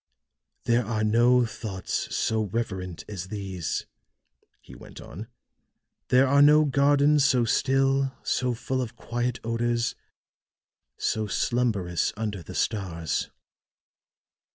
"There are no thoughts so reverent as these," he went on; "there are no gardens so still, so full of quiet odors, so slumberous under the stars.